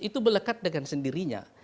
itu melekat dengan sendirinya